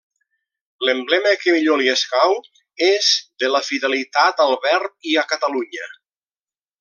L'emblema que millor li escau és de la fidelitat al verb i a Catalunya.